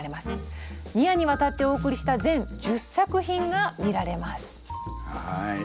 ２夜にわたってお送りした全１０作品が見られます。